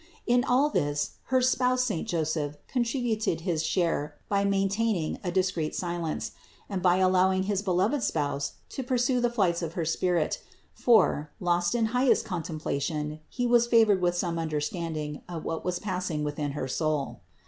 In all this her spouse saint Joseph contributed his share by maintaining a discreet silence, and by allowing his beloved Spouse to pursue the flights of her spirit; for, lost in highest con templation, he was favored with some understanding of what was passing within her soul.